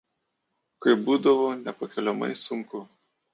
kai būdavo nepakeliamai sunku